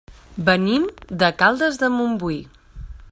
Venim de Caldes de Montbui.